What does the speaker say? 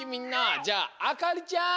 じゃああかりちゃん。